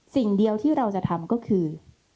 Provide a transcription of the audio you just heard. สิ่งเดียวที่เราจะทำก็คือ